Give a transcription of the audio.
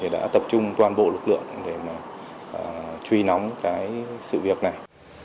đã tập trung toàn bộ lực lượng để truy nóng cái sự việc này